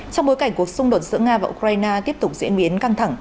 trong bối cảnh cuộc xung đột giữa nga và ukraine tiếp tục diễn biến căng thẳng